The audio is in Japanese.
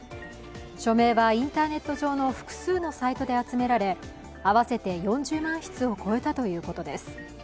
署名はインターネット上の複数のサイトで集められ合わせて４０万筆を超えたということです。